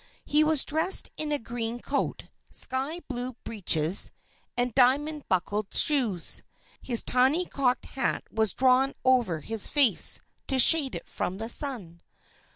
He was dressed in a green coat, sky blue breeches, and diamond buckled shoes. His tiny cocked hat was drawn over his face, to shade it from the sun.